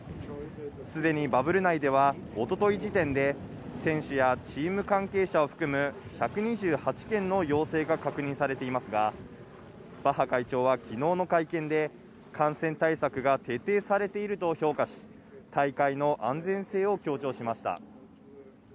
すでにバブル内では一昨日時点で選手やチーム関係者を含む１２８件の要請が確認されていますが、バッハ会長は昨日の会見で、感染対策が徹底されていると評価し、大会の安全性を強調しました。